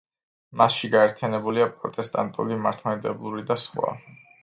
მასში გაერთიანებულია პროტესტანტული, მართლმადიდებლური და სხვა.